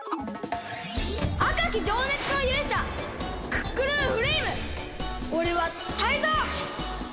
あかきじょうねつのゆうしゃクックルンフレイムおれはタイゾウ！